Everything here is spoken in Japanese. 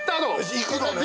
行くのね